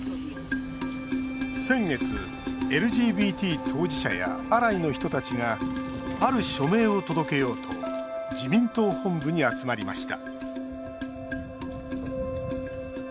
先月、ＬＧＢＴ当事者やアライの人たちがある署名を届けようと自民党本部に集まりました